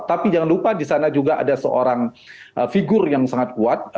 tapi jangan lupa di sana juga ada seorang figur yang sangat kuat